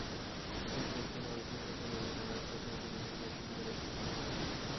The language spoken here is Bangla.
এর দক্ষিণে অবস্থান করছে নিউজিল্যান্ড আর পশ্চিমে প্রতিবেশী দেশ হিসেবে রয়েছে ভানুয়াতু।